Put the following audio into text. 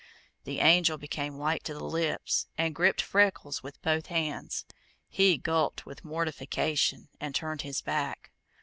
The Angel became white to the lips and gripped Freckles with both hands. He gulped with mortification and turned his back.